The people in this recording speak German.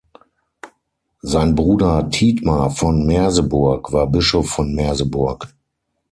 Sein Bruder Thietmar von Merseburg war Bischof von Merseburg.